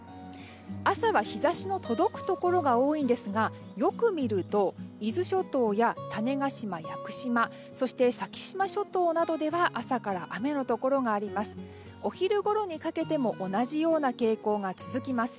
朝は日差しの届くところが多いんですがよく見ると伊豆諸島や種子島、屋久島そして先島諸島などでは朝から雨のところがあります。